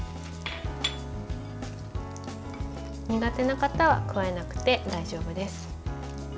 苦手な方は加えなくて大丈夫です。